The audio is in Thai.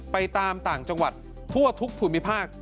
ไปตามต่างจังหวัดทั่วทุกภูมิภาค